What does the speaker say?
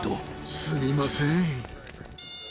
すみません。